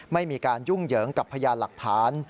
ไม่มีการยุ่งเหยิงกับพยานหลักฐาน